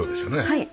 はい。